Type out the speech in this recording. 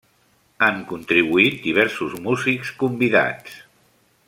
Han contribuït diversos músics convidats.